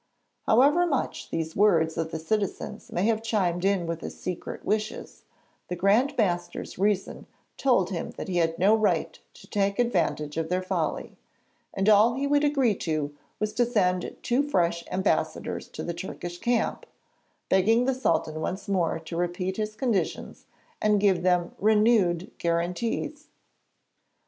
However much these words of the citizens may have chimed in with his secret wishes, the Grand Master's reason told him that he had no right to take advantage of their folly, and all he would agree to was to send two fresh ambassadors to the Turkish camp, begging the Sultan once more to repeat his conditions and give them renewed guarantees.